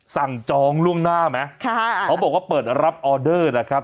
จองล่วงหน้าไหมค่ะเขาบอกว่าเปิดรับออเดอร์นะครับ